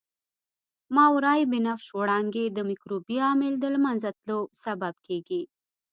ماورای بنفش وړانګې د مکروبي عامل د له منځه تلو سبب کیږي.